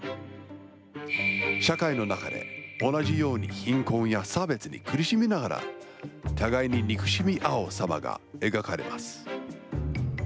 社会の中で、同じように貧困や差別に苦しみながら、互いに憎しみ合うさまが描かれます。